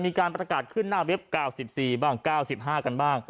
มีการประกาศขึ้นหน้าเว็บ๙๔บ้าง๙๕กันบ้าง